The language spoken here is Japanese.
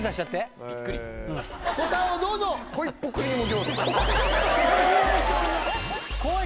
答えをどうぞホイップクリーム餃子こい